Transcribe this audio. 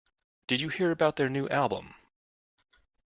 Did you hear about their new album?